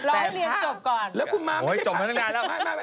เราให้เรียนจบก่อนโอ้ยจบมาตั้งนานแล้ว